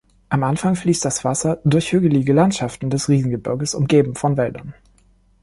Am Anfang fließt das Wasser durch hügelige Landschaften des Riesengebirges, umgeben von Wäldern.